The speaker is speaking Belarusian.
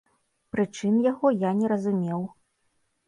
Прычын яго я не разумеў.